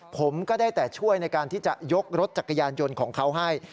ผมก็ได้แต่ช่วยในการที่จะยกรถจักรยานยนต์ของเขาให้